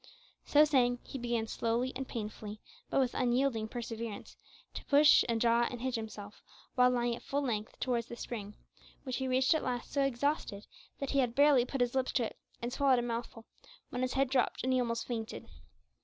So saying, he began slowly and painfully, but with unyielding perseverance, to push, and draw, and hitch himself, while lying at full length, towards the spring, which he reached at last so exhausted, that he had barely put his lips to it and swallowed a mouthful, when his head dropped, and he almost fainted.